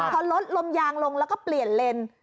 พอลดลมยางลงแล้วก็เปลี่ยนเลน